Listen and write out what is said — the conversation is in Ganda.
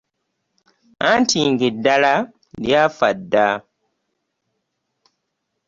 Anti ng'eddala lyafa dda .